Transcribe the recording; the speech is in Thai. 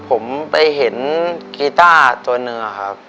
ผมไปเห็นกีต้าตัวหนึ่งอะครับ